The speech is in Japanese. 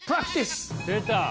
出た！